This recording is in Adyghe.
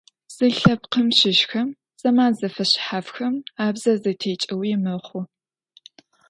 Зы лъэпкъым щыщхэм зэман зэфэшъхьафхэм абзэ зэтекӏэуи мэхъу.